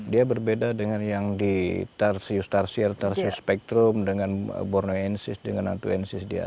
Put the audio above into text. dia berbeda dengan yang di tarsius tarsier tarsius spektrum dengan borneensis dengan antoensis dia